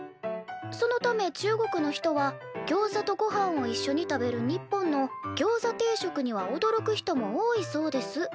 そのため中国の人はギョウザとごはんをいっしょに食べる日本のギョウザ定食にはおどろく人も多いそうです」。